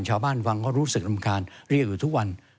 ชาวบ้านวังก็รู้สึกรำคาญเรียกอยู่ทุกวัน